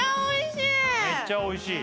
めっちゃおいしい？